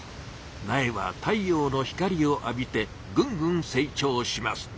苗は太陽の光を浴びてぐんぐん成長します。